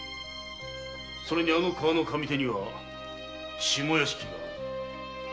それにあの川の上手には下屋敷がある。